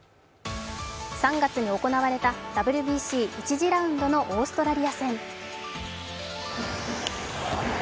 ３月に行われたＷＢＣ・１次ラウンドのオーストラリア戦。